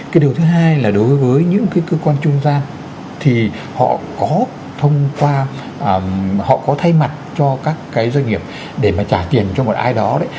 cái điều thứ hai là đối với những cái cơ quan trung gian thì họ có thông qua họ có thay mặt cho các cái doanh nghiệp để mà trả tiền cho một ai đó đấy